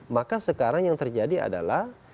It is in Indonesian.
maka sekarang yang terjadi adalah